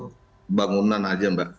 atau bangunan saja mbak